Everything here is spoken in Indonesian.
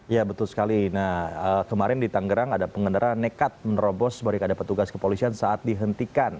ya betul sekali nah kemarin di tanggerang ada pengendara nekat menerobos barikade petugas kepolisian saat dihentikan